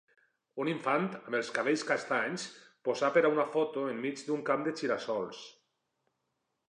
Un infant amb els cabells castanys posa per a una foto enmig d'un camp de gira-sols.